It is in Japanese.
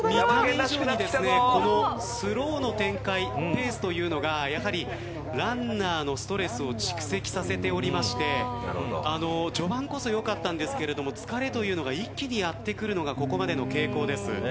このスローの展開ペースというのがランナーのストレスを蓄積させておりまして序盤こそ良かったんですけれども疲れというのが一気にやってくるのがここまでの傾向です。